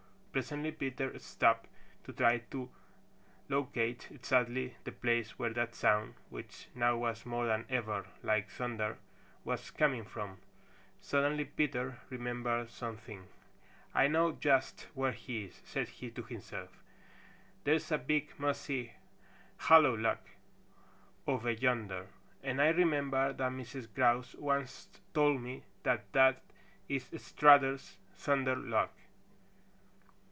Presently Peter stopped to try to locate exactly the place where that sound, which now was more than ever like thunder, was coming from. Suddenly Peter remembered something. "I know just where he is," said he to himself. "There's a big, mossy, hollow log over yonder, and I remember that Mrs. Grouse once told me that that is Strutter's thunder log."